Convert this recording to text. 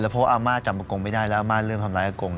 แล้วเพราะอาม่าจับอาโกงไม่ได้แล้วอาม่าเริ่มทำร้ายอาโกง